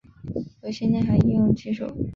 核心内涵应用技术